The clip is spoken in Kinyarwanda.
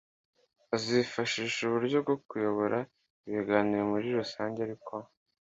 azifashisha uburyo bwo kuyobora ibiganiro muri rusange ariko